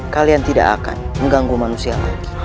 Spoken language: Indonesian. kalian tidak akan mengganggu manusia